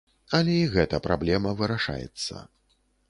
Але і гэта праблема вырашаецца.